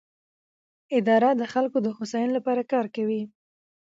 اداره د خلکو د هوساینې لپاره کار کوي.